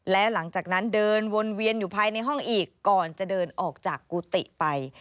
และหลังจากนั้นเดินวนเวียนอยู่ภายในห้องอีกก่อนจะเดินออกจากกุฏิไป